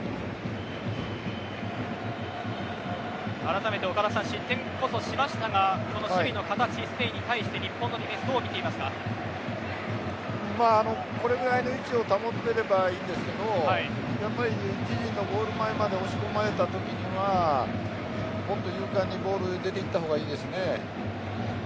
あらためて岡田さん失点こそしましたがこの守備の形、スペインに対して日本のディフェンスこれぐらいの位置を保てればいいんですけどやっぱり自陣やゴール前まで押し込まれたときにはもっと勇敢にボールを持っていった方がいいですね。